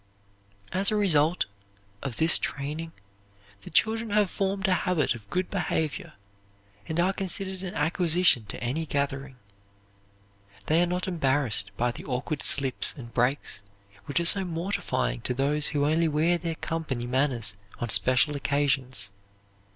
As a result of this training the children have formed a habit of good behavior and are considered an acquisition to any gathering. They are not embarrassed by the awkward slips and breaks which are so mortifying to those who only wear their company manners on special occasions.